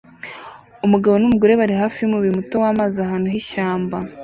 Umugabo numugore bari hafi yumubiri muto wamazi ahantu h'ishyamba